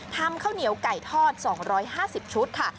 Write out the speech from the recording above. ข้าวเหนียวไก่ทอด๒๕๐ชุดค่ะ